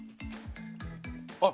あ！